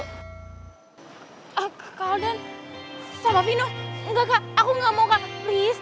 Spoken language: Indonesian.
ah kak alden sama vino enggak kak aku enggak mau kak please